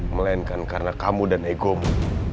melainkan karena kamu dan egomu